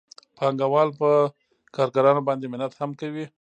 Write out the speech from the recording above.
پانګوال په کارګرانو باندې منت هم کوي